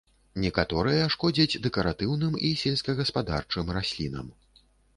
Некаторыя шкодзяць дэкаратыўным і сельскагаспадарчым раслінам.